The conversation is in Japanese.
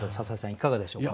いかがでしょうか？